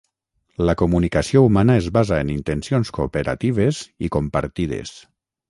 La comunicació humana es basa en intencions cooperatives i compartides.